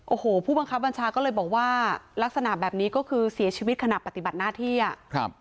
โอ้โหผู้บังคับบัญชาก็เลยบอกว่าลักษณะแบบนี้ก็คือเสียชีวิตขณะปฏิบัติหน้าที่อ่ะครับ